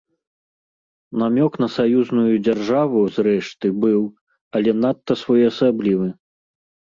Намёк на саюзную дзяржаву, зрэшты, быў, але надта своеасаблівы.